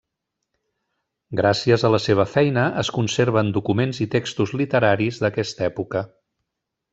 Gràcies a la seva feina es conserven documents i textos literaris d'aquesta època.